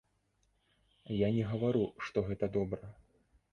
Я не гавару, што гэта добра!